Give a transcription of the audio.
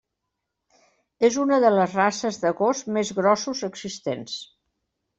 És una de les races de gos més grossos existents.